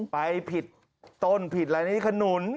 ไปผิดต้นผิดอะไรนี่ขนุน